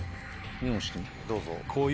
どうぞ。